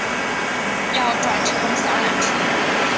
要转乘小缆车